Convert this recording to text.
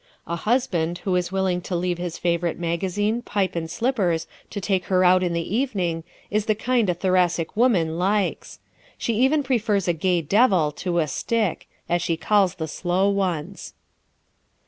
A husband who is willing to leave his favorite magazine, pipe, and slippers to take her out in the evening is the kind a Thoracic woman likes. She even prefers a "gay devil" to a "stick" as she calls the slow ones.